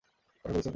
কঠোর পরিশ্রম করব।